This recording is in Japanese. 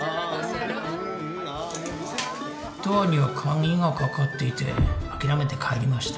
ドアには鍵がかかっていて諦めて帰りました